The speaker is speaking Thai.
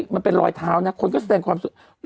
มันเป็นรอยเท้านะคนก็แสดงความรู้สึก